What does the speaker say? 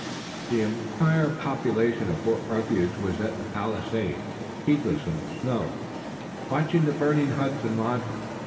The entire population of Fort Refuge was at the palisade, heedless of the snow, watching the burning huts and lodges.